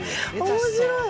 面白い。